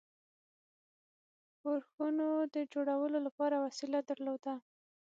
ښورښونو د جوړولو لپاره وسیله درلوده.